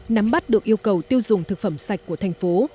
nắm bắt được yêu cầu tiêu dùng thực phẩm sạch của thành phố